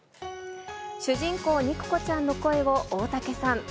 主人公、肉子ちゃんの声を大竹さん。